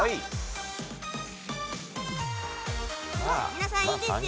皆さんいいですよ